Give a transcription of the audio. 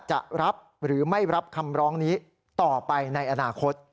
จะรับหรือไม่รับคำร้องนี้ต่อไปในอนาคต